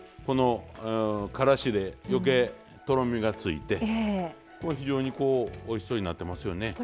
このからしで余計とろみがついて非常においしそうになってますよね。